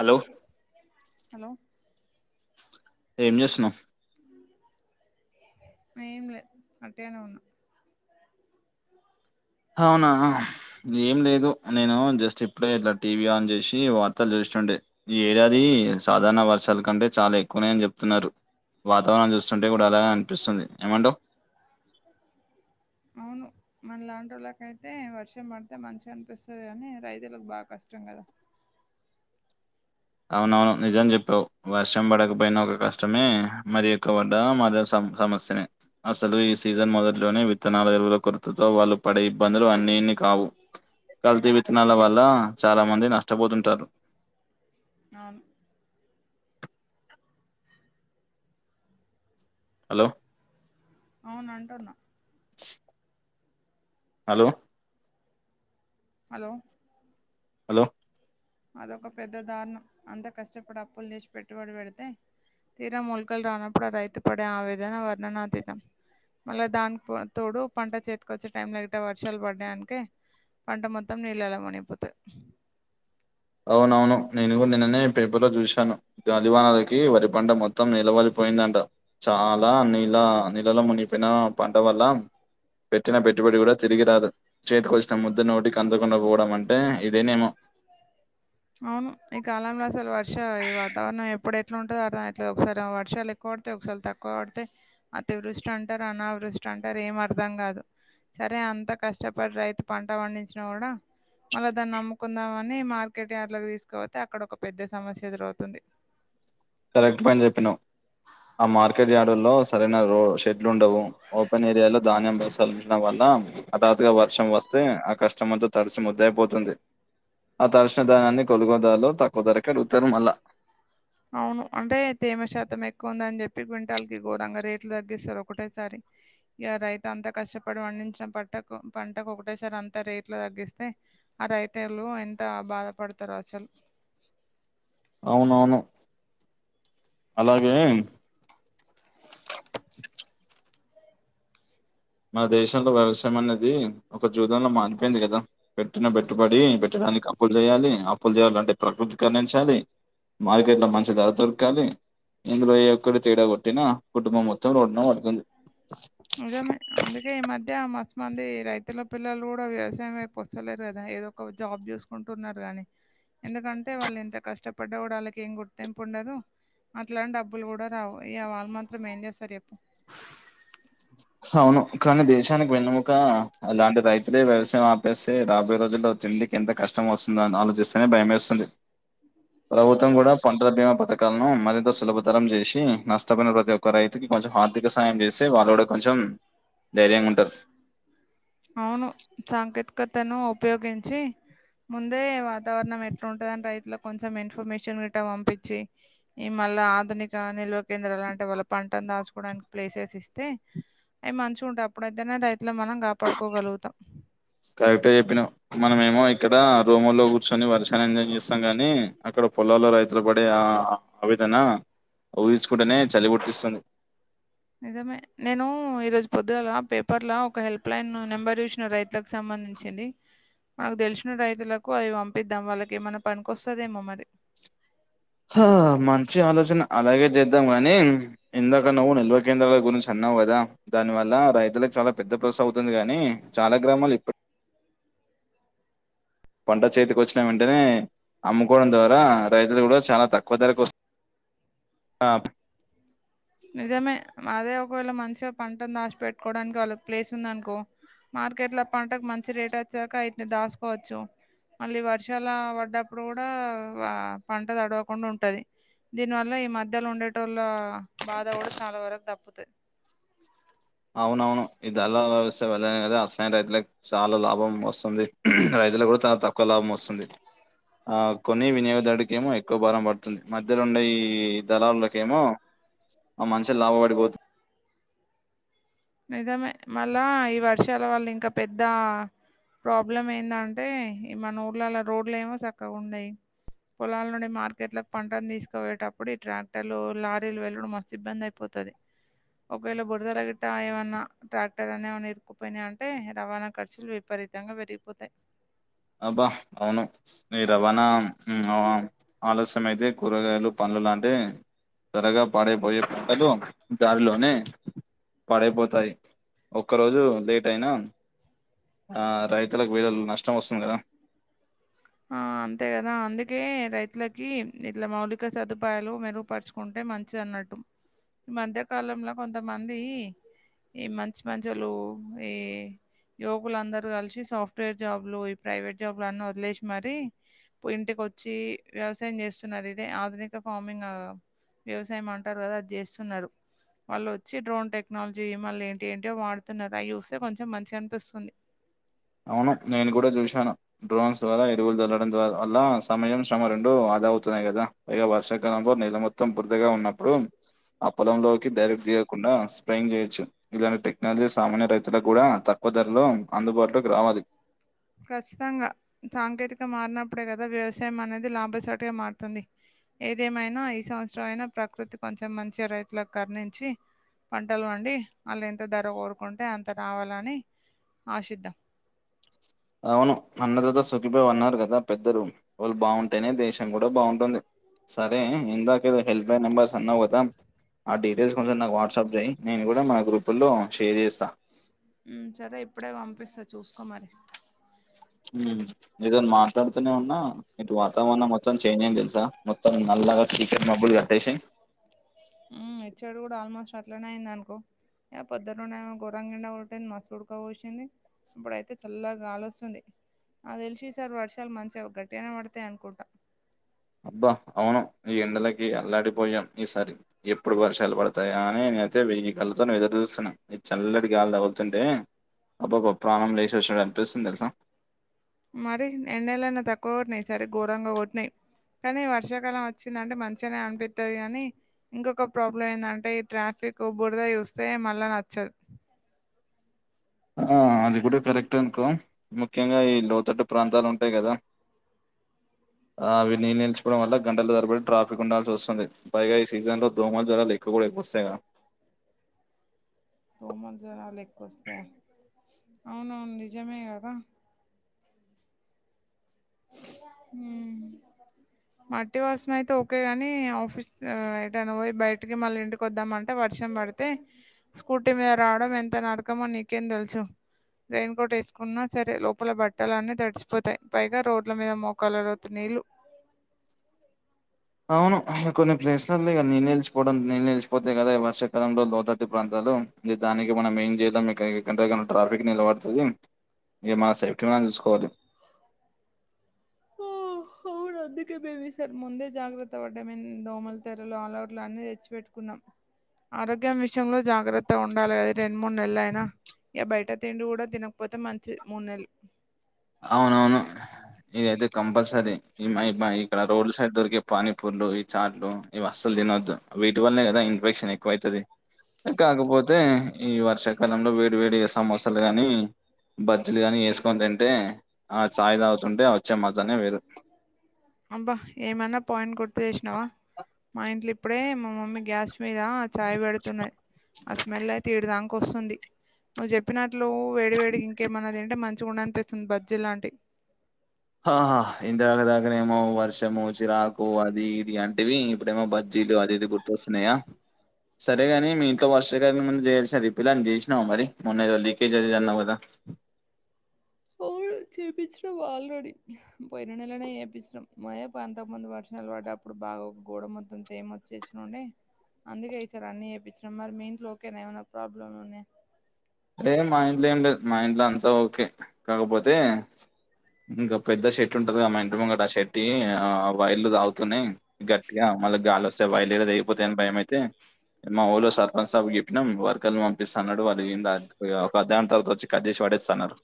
Hello hello ఏం చేస్తున్నావ్ ఏం లే వట్టిగానే ఉన్నా అవునా ఏం లేదు నేను జస్ట్ ఇప్పుడే ఇట్లా టీవీ ఆన్ చేసి వార్తలు చూసి టే ఈ ఏడాది సాధారణ వర్షాల కంటే చాలా ఎక్కువనే అని చెప్తున్నారు వాతావరణం చూస్తుంటే కూడా ప్పు అలాగ అనిపిస్తుంది ఏమంటావ్ మనలాంటి వాళ్ళక అయితే వర్షం పడితే మంచిగా అనిపిస్తుంది అని రైతులకు బాగా కష్టం కదా అవునవును నిజం చెప్పావు వర్షం పడకపోయిన ఒక కష్టమే మరియక్క వడ్డ మద సమస్యనే అసలు ఈ సీజన్ మొదట్లోనే విత్తనాల ఎరువుల కొరతతో వాళ్ళు పడే ఇబ్బందులు అన్ని ఇన్ని కావు కల్తీ విత్తనాల వల్ల చాలా మంది నష్టపోతుంటారు ఆవును హలో అవును అంటున్నా హలో హలో హలో అదొక పెద్ద దారుణం అంత కష్టపడి అప్పులు తెచ్చి పెట్టుబడి పెడితే తీర ముల్కలు రానప్పుడు రైతు పడే ఆవేదన వర్ణనాతీతం మళ్ళా దానికి తోడు పంట చేతికి వచ్చే టైంలో అయితే వర్షాలు పడ్డానికి పంట మొత్తం నీళ్ళలో మునిగిపోతది అవునవును నేను నిన్ననే పేపర్లో చూశాను గాలి వానలకి వరి పంట మొత్తం నిలవలి పోయిందంట చాలా నీళ నీళ్ళలో మునిగిపోయిన పంట వల్ల పెట్టిన పెట్టుబడి కూడా తిరిగి రాదు చేతికి వచ్చిన ముద్ద నోటికి అందకుండా పోవడం అంటే ఇదేనేమో అవును ఈ కాలంలో అసలు వర్ష ఈ వాతావరణం ఎప్పుడు ఎట్లా ఉంటుందో అట్లా ఒకసారి వర్షాలు ఎక్కువ పడితే ఒకసారి తక్కువ పడితే అతి వృష్టి అంటారు అనావృష్టి అంటారు ఏం అర్థం కాదు సరే అంత కష్టపడి రైతు పంట వం పండించిన కూడా మళ్ళీ దాన్ని నమ్ముకుందాం అని మ మార్కెట్ యార్డులకు తీసుకపోతే అక్కడ ఒక పెద్ద సమస్య ఎదురవుతుంది కరెక్ట్ పైన చెప్పినావు ఆ మార్కెట్ యార్డుల్లో సరైన రో షెడ్లు ఉండవు ఓపెన్ ఏరియాలో ధాన్యం బలించడం వల్ల హఠాత్గా వర్షం వస్తే ఆ కష్టం అంతా తడిసి ముద్దయిపోతుంది ఆ తర్శణదానాన్ని కొలుగోదాలో తక్కువ ధరకే అడుగుతారు మళ్ల అవును అంటే తేమ శాతం ఎక్కువ ఉందని చెప్పి క్వింటాల్ కి ఘోరంగా రేట్లు తగ్గిస్తారు ఒకటేసారి ఇక రైతు అంతా కష్టపడి పండించడం పట్టు పంటకు పంటకు ఒకటేసారి అంత రేట్లు తగ్గిస్తే ఆ రైతులు ఎంత బాధపడతారు అస అ అవునవును అలాగే మన దేశంలో వ్యవసాయం అనేది ఒక జూదంల మారిపోయింది కదా పెట్టిన పెట్టుబడి పెట్ట దానికి అప్పులు చేయాలి అప్పులు చేయాలి అంటే ప్రకృతి కరుణించాలి. మార్కెట్ లో మంచి ధర దొరకాలి ఇందులో ఏ ఒక్కటి తేడా కొట్టినా కుటుంబం మొత్తం రోడ్డున పడుతుంది నిజమే అందుకే ఈ మధ్య మస్ మంది రైతుల పిల్లలు కూడా వ్యవసాయం వైపు వస్తలేరు కదా ఏదో ఒక జాబ్ చూసుకుంటున్నారు గానీ ఎందుకంటే వాళ్ళు ఎంత కష్టపడ్డ కూడా వాళ్ళకి ఏం గుర్తింపు ఉండదు. అట్లా అని డబ్బులు కూడా రావు వాళ్ళు మాత్రం ఏం చేస్తారు చెప్పు అవును కానీ దేశానికి వెన్నెముక అలాంటి రైతులే వ్యవసాయం ఆపేస్తే రాబోయే రోజుల్ తిండికి ఎంత కష్టం వస్తుందో అని ఆలోచిస్తేనే భయమేస్తుంది ప్రభుత్వం కూడా పంటల బీమా పథకాలను మరింత సులభతరం చేసి నష్టపోయిన ప్రతి ఒక్క రైతుకి కొంచెం ఆర్థిక సాయం చేస్తే వాళ్ళు కూడా కొంచెం ధైర్యంగా ఉంటది. అవును సాంకేతికతను ఉపయోగించి ముందే వాతావరణం ఎట్లుంటదని రైతులకు కొంచెం ఇన్ఫర్మేషన్ గట్ట పంపించి ఈ వాళ్ళ ఆధునిక నిల్వ కేంద్రాలు అంటే వాళ్ళ పంటను దాచుకోవడానికి ప్లేసెస్ ఇస్తే అవి మంచిగా ఉంటా అప్పుడేతేనా రైతుల మనం గాపాడుకోగలుగుతాం. కరెక్టే చెప్పినవ్ మనమేమో ఐ ఇక్కడ రూమ్ లో కూర్చొని వర్షాన్ని ఎంజాయ్ చేస్తాం కాని అక్కడ పొలాల్లో రైతులు పడే ఆ ఆవే దాన ఊహించకుంటేనే చలి పుట్టిస్తుంది. నిజమే నేను ఈరోజు పొద్దుగాల పేపర్ లా ఒక హెల్ప్ లైన్ నెంబర్ చూసినా రైతులకు సంబం సంబంధించింది మనకు తెలిసిన రైతులకు అవి పంపిద్దాం వాళ్ళకి ఏమన్నా పనికొస్తాదేమో మరి ఆ మంచి ఆలోచన అలాగే జెద్దాం గాని ఇందాక నువ్వు నిల్వ కేంద్రాల గురించి అన్న అవధ దాని వల్ల రైతులకు చాలా పెద్ద ప్రాసెస్ అవుతుంది గాని చాలా గ్రామాలు ఇప్పటి పంట చేతికి వచ్చిన వెంటనే అమ్ముకోవడం ద్వారా రైతులు కూడా చాలా తక్కువ ధరకు వస్ అప్ నిజమే అదే ఒకవేళ మంచిగా పంటను దాచిపెట్టుకోవడానికి వాళ్ళకి ప్లేస్ ఉందనుకో మార్కెట్ లో పంటకు మంచి రేట్ వచ్చాక వీటిని దాసుకోవచ్చు. మళ్ళీ వర్షాల పడ్డప్పుడు కూడా పంట తడవకుండా ఉంటది. దీని వల్ల ఈ మధ్యలో ఉండేటోల్ల బాధ కూడా చాలా వరకు దప్పుతది వలస వెళ్ల కథ అసలైన రైతులకు చాలా లాభం వస్తుంది. రైతులకు కూడా చాలా తక్కువ లాభం వస్తుంది. ఆ కొన్ని వినియోగదారుడుకేమో ఎక్కువ భారం పడుతుంది మధ్యలోండే ఈ దళారులకేమో ఆ మనుషులు లాభ పడిపోతు నిజమే మల్ల ఈ వర్షాల వల్ల ఇంకా పెద్ద ప్రాబ్లం ఏందంటే ఈ మన ఊళ్లలో రోడ్లు ఏమో సక్కగా ఉండయి. పొలాల నుండి మార్కెట్ లో పంటను తీసుకుపోయేటప్పుడు ఈ ట్రాక్టర్లు లారీలు వెల్లుడు మస్తు ఇబ్బంది అయిపోతు ఒకవేళ బురద రాగేట్ ట ఏమన్నా ట్రాక్టర్ అనే ఏమైనా ఇరుక్కుపోయినాయి అంటే రవాణా ఖర్చులు విపరీతంగా పెరిగిపోతాయి. అబ్బా అవును ఈ రవాణా ఆలస్యం అయితే కూరగాయలు పం లాంటి త్వరగా పాడైపోయే పంటలు దారిలోనే పాడైపోతాయి ఒక్కరోజు లేటయినా ఆ రైతులకు వేలల్లో నష్టం వస్తుంది కదా ఆ అంతే కదా అందుకే రైతులకి ఇట్లా మౌలిక సదుపాయాలు మెరుగుపరుచుకుంటే మంచిదన్నట్టు ఈ మధ్య కాలంలో కొంతమంది ఈ మంచి మంచోళ్ళు ఏ యువకులందరూ కలిసి సాఫ్ట్వేర్ జాబ్లు ఈ ప్రైవేట్ జాబ్లు అన్నీ వదిలేసి మరి ఇంటికొచ్చి వ్యవసాయం చేస్తున్నారు ఇదే ఆధునిక ఫార్మింగ్ వ్యవసాయం అంటారు కదా అది జెస్తున్నాడు. వాళ్ళు వచ్చి డ్రోన్ టెక్నాలజీ మళ్ళీ ఏంటి ఏంటో వాడుతున్నారు. అయి చూస్తే కొంచెం మంచిగా అనిపిస్తుంది. అవును నేను కూడా చూశాను డ్రోన్స్ ద్వారా ఎరువులు తల్లడం ద్వారా అల్ల సమయం స్రమ రెండు అద అవుతున్నాయి కదా పై వర్షాకాలంలో నీళ్ళ మొత్తం బురదగా ఉన్నప్పుడు ఆ పొల లోకి డైరెక్ట్ లేకుండా స్పయి చేయచ్చు ఇలాంటి టెక్నాలజీ సామాన్య రైతులకు కూడా తక్కువ ధరలో అందుబాటులో గ్రామాది ఖచ్చితంగా సాంకేతికత మారినప్పుడే కదా వ్యవసాయం అనేది లాభసటిగా మారుతుంది ఏదేమైనా ఈ సంవత్సరం అయినా ప్రకృతి కొంచెం మంచిగా రైతులకు కర్ణించి పంటలు పండి అలెంత ధర కోరుకుంటె అంత రావాలని ఆశీద్దాం అవును అన్న ధాత సుఖిబావ అన్నారు కదా పెద్దలు వాళ్ళు బాగుంటేనే దేశం కూడా బాగుంటుంది సరే ఇందాకేదో హెల్ప్ నెంబర్స్ అన్నావు కదా ఆ డీటెయిల్స్ కొంచం నాకు వాట్సాప్ చేయి నేను కూడా నా గ్రూపులో షేర్ చేస్ హ్మ్ సరే ఇప్పుడే పంపిస్తా చూసుకో మరి ఉమ్, నీతో మాట్లాడుతూనే ఉన్నా ఇటు వాతావరణం మొత్తం చేంజ్ అయింది తెలుసా మొత్తం నల్లగా చీకటి మాబులు కప్పేసి ఆ ఇట్సైడ్ కూడా ఆల్మోస్ట్ అట్లనే అయిందానుకో ఆ పొద్దునుండేమో గోరంగాయండా కొట్టింది మస్తు ఉడకపోసింది ఇప్పుడయితే చల్లగా గాలోస్తుంది నాక్తెల్సి ఈసారి వర్షాలు మంచిగా గట్టిగానే పడతాయి అనుకుంటా అబ్బా అవును ఈ ఎండలకి అల్లాడిపోయాం ఈసారి ఎప్పుడు వర్షాలు పడతాయి అని అయితే వెయ్యి కళ్ళతోని ఎదురు చూస్తున్నాం ఈ చల్లటి గాలి తగులుతుంటే అబాబా ప్రాణం లేచోచినాటు అనిపిస్తుంది తెల్సా మరి ఎండాలేనా తక్కువ కొట్నాయ ఈసారి ఘోరంగా కొట్నై కానీ వర్షాకాలం వచ్చిందంటే మంచిగానే అన్పితది కానీ ఇంకొక ప్రాబ్లం ఏందంటే ఈ ట్రాఫిక్ బురదా చూస్తే మళ్ళా నచ్చదు ఆ అది కూడా కరెక్ట్ అనుకో ముఖ్యంగా ఈ లోతట్టు ప్రాంతాలు ఉంటాయి కదా ఆ అవి నీల్ నిల్చిపోవడం వల్ల గంటలు ధరబడి ట్రాఫిక్ ఉండాల్సి వస్తుంది పైగా ఈ సీజన్ లో దోమలు జ్వరాలు ఎక్కువ కూడా రేపొస్తయ్య దోమలు చాలా ఎక్కువస్తాయ్ అవునవును నిజమే కదా హ్మ్మ్ మట్టి వాసన అయితే ఓకే గాని ఆఫీస్ ఎటైనాపోయి బయటకి మళ్ళ ఇంటికి వద్దామంటే వా వర్షం పడితే స్కూటీ మీద రావడం ఎంత నరకమో నీకేం తెలుసు రెయిన్ కోట్ వేసుకున్నా సరే లోపల బట్టలన్నీ తడిచిపోతాయి పై గ రోడ్ల మీద మోకాలలోతు నీళ్లు అవును కొన్ని ప్లేస్లలిగా నిల్ నిలిచిపోవడం నిల్ నిలిచిపోతేయి కదా వర్షాకాలంలో లోతటి ప్రాంతాలు దానికి మనం ఏం చేయలేం ఇక ఎందుకంటే ట్రాఫిక్ నిలబతాది ఇగ మా సేఫ్టీ మనం చూసుకోవాలి ఆ అవును అందుకే మేం ఈసారి ముందే జాగ్రత్తపడం దోమల తెరలు అల్అవుట్లు అన్ని తెచ్చిపెట్టుకున్నాం ఆరోగ్యం విషయంలో జాగ్రత్త ఉండాలి ఇ రెండ్ మూడ్ నేలైన ఇక బయట తిండి కూడా తినకపోతే మంచిది మూడు నెల్లు అవునవును ఏదైతే కంపల్సరీ ఇమెయిడ్ మై రోడ్ల సైడ్ దొరికే పానీపూర్లు ఈ చాట్లు ఇవి అస్సలు తినొద్దు వీటి వల్నే కదా ఇన్ఫెక్షన్ ఎక్కువైతది కాకపోతే ఈ వర్షాకాలంలో వేడి వేడిగా సమోసాలు గాని బజ్జీలు గాని ఏస్కోని తింటే ఆ చాయ్ తాగుతుంటే వచ్చే మజాయే వేరు అబ్బా ఏమన్నా పాయింట్ గుర్తు చేసినావా మా ఇంట్లు ఇప్పుడే మా మమ్మీ గ్యాస్ మీద ఆ చాయ్ పెడుతున్నది ఆ స్మెల్ అయితే ఏడదానక వస్తుంది నువ్వు చెప్పినట్లు వేడివేడి ఇంకేమన్నదింటే మంచిగుండనిపిస్తుంది బజ్జీ లాంటి ఆహా ఇంతదాకానేమో వర్షము చిరాకు అది ఇది అంటివి ఇప్పుడేమో బజ్ యిలు అది ఇది గుర్తొస్తున్నాయా సరేగాని మీ ఇంట్లో వాషరీ మేమన్న జెస రిపిల్ అని జేశినవా మరి మొన్నేదో లీకేజ్ అదిదన్నవకదా [inaudible] ఉ చెప్పిచ్చినం ఆల్రెడీ పోయిననేలనే చేపిచ్చినం మొయే పంతకముందు వర్షాల్ పడ్డప్పుడు బాగా ఒకగోడ మొత్తం తేమొచ్చేసినుండే అందుకే ఈసారి అన్ని చేపించినం మరి మీ ఇంట్లో ఓకేనా ఏమైనా ప్రాబ్లమ్లున్నయ లే మా ఇంట్లేమ్లేదు మా ఇంట్లో అంతా ఓకే కాకపోతే ఇంకా పెద్ద షర్ట్ ఉంటది మా ఇంటి ముంగట ఆ షెట్టి ఆ వైర్లు తాగుతునేయి గట్టిగా మళ్ళ గాలోస్తే వైర్లేడా తెగిపోతయని బయమైతే నే మా ఊళ్ళో సర్పంచిసాబ్కి జెప్పినం వర్కర్ని వంపిస్తాన్నడు వాళ్ళు ఏందని పోయ్ ఒక అద్ధగంట తర్వాతోచ్చి కట్జెషి వడెస్తన్నరు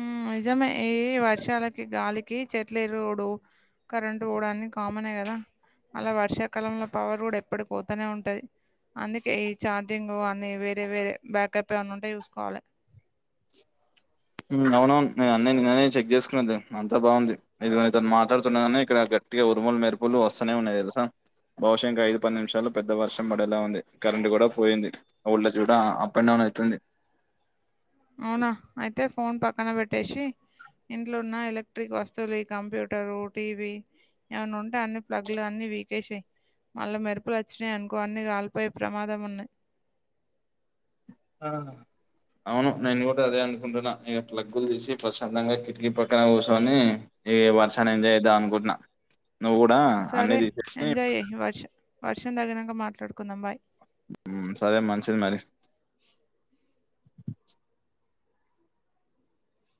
ఊమ్ ఇజమే యియి వర్షాలకి గాలికి చెట్లు ఇరుగుడు కరెంటు ఓవుడన్ని కామనే గదా అలా వర్షాకాలంలో పవర్ గూడా ఎప్పుడు పోతనే ఉంటది అందుకే ఈ ఛార్జింగ్ అని వేరే వేరే బ్యాకప్ ఏమన్నుంటే చూసుకోవలె [inaudible] ఉమ్ అవునవును నే అన్నయ నినే చెక్ చేసుకున్నది అంతా బాగుంది ఇదిగో నీతో మాట్లాడుతున్నగని ఇక్కడగత్ ట్టిగ ఉరుములు మెరుపులు వస్తూనే ఉన్నాయి తెలుసా బహుశా ఇంక ఐదు పది నిమిషాలు పెద్ద వర్షం పడేలా ఉంది కరెంట్ గూడా పోయింది వాల్టెజ్ కూడా ఆ అప్పేండౌన్ అయితుంది అవున అయితే ఫోన్ పక్కన పెట్టేసి ఇంట్లో ఉన్న ఎలక్ట్రిక్ వస్తువులు ఈ కంప్యూటరు టీవీ ఏమన్నుంటే అన్ని ప్లగ్లు అన్ని పీకేసేయ్ మళ్ళ మెరుపులు వచ్చినయనుకో అన్ని కాలిపోయే ప్రమాదం ఉన్నాయి ఆ అవును నేను కూడా అదే అనుకుంటున్నా ఇక ప్లగ్గులు తీసి ప్రశాంతంగా కిటికీ పక్కన కూసొని ఇ వర్షాన్ని ఎంజాయ్ జేద్దాం అనుకుంటున్నా నువ్వు కూడా అన్ని సరే తీసేసి ఎంజాయ్ చేయి వర్ష వర్షం తగినక మాట్లాడుకుందం బాయ్ ఉమ్ సరే మంచిది మరి